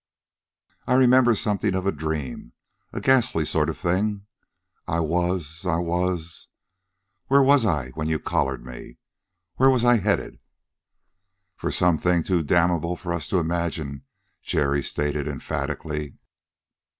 "I remember something of a dream a ghastly sort of thing. I was ... I was ... where was I when you collared me? Where was I headed?" "For something too damnable for us to imagine," Jerry stated emphatically.